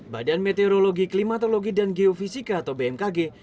badan meteorologi klimatologi dan geofisika atau bmkg